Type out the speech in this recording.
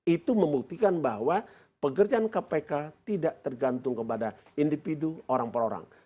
itu membuktikan bahwa pekerjaan kpk tidak tergantung kepada individu orang per orang